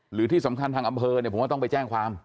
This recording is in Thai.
หรือที่สำคัญทางอำเภอเนี่ยผมว่าต้องไปแจ้งความ